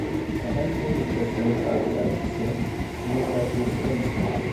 Wij hebben tegen een personeelsuitbreiding gestemd omdat wij consequent zijn.